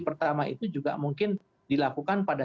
pertama itu juga mungkin dilakukan pada